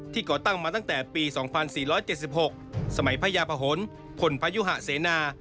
ก่อตั้งมาตั้งแต่ปี๒๔๗๖สมัยพญาพะหนพลพยุหะเสนา